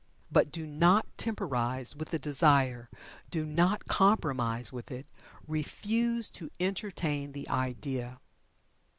But do not temporize with the desire do not compromise with it refuse to entertain the idea.